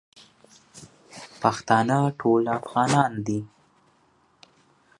پښتانه ټول افغانان دي